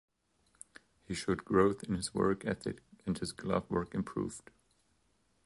He showed growth in his work ethic and his glove work improved.